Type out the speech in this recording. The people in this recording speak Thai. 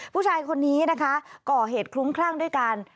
ผู้ชายคนนี้นะคะก่อเหตุคลุ้มคลั่งด้วยกัน